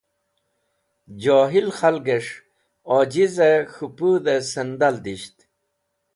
Johil Khalges̃h Ojize K̃hu Pudhe Sandal Disht